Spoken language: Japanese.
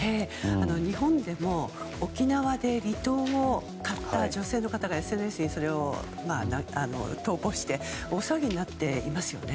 日本でも沖縄で離島を買った女性の方がＳＮＳにそれを投稿して大騒ぎになっていますよね。